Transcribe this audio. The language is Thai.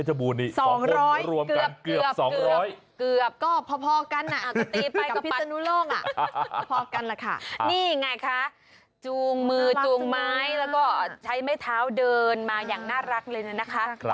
จูงมือจูงไม้แล้วใช้เมทาวเดินมาอย่างน่ารักเลยนะคะ